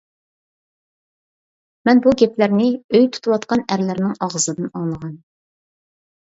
مەن بۇ گەپلەرنى ئۆي تۇتۇۋاتقان ئەرلەرنىڭ ئاغزىدىن ئاڭلىغان.